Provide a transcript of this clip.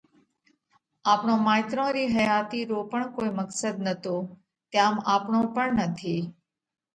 آپڻون مائيترون رِي حياتِي رو پڻ ڪوئي مقصڌ نتو تيام آپڻو پڻ نٿِي۔